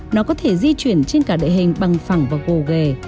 nó có thể di chuyển trên cả đệ hình bằng phẳng và gồ ghề